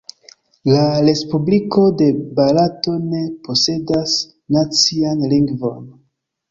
La Respubliko de Barato ne posedas nacian lingvon.